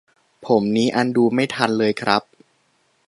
ผมนี้อันดูไม่ทันเลยครับ